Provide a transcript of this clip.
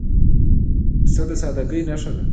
پسه د سادګۍ نښه ده.